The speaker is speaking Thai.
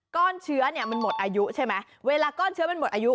ก้อนเชื้อเนี่ยมันหมดอายุใช่ไหมเวลาก้อนเชื้อมันหมดอายุ